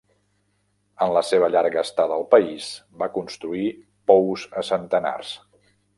En la seva llarga estada al país, va construir pous a centenars.